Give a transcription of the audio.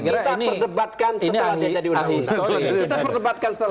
kita perdebatkan setelah dia jadi undang undang